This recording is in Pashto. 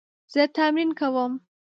زه تمرین کوم